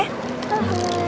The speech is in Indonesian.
nenek pergi dulu ya